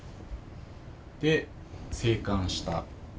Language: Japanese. で生還した。